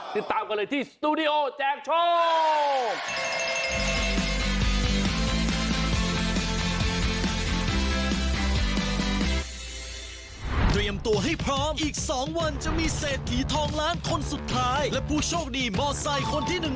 ติดตามกันเลยที่สตูดิโอแจกโชค